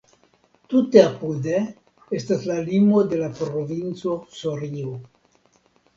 Tute apude estas la limo de la provinco Sorio.